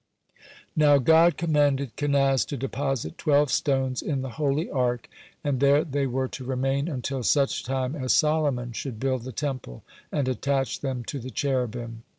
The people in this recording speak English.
Now God commanded Kenaz to deposit twelve stones in the holy Ark, and there they were to remain until such time as Solomon should build the Temple, and attach them to the Cherubim.